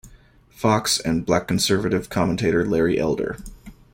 Fox, and black conservative commentator Larry Elder.